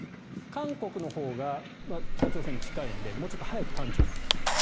韓国のほうが北朝鮮に近いのでもうちょっと早く探知できる。